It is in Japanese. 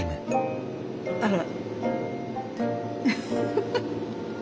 あら。